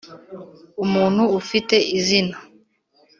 umuntu ufite izina